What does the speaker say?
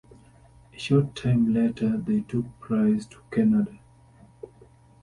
A short time later, they took Price to Canada.